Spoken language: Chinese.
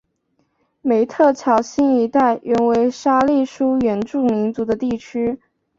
梅特乔辛一带原为沙利殊原住民族的地域。